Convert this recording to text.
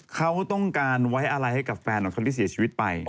เขาต้องการไว้อะไรให้กับแฟนของเขาที่เสียชีวิตไป